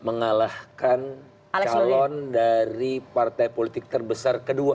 mengalahkan calon dari partai politik terbesar kedua